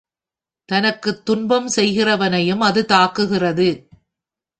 தனக்குத் துன்பம் செய்கிறவனையும் அது தாங்குகிறது.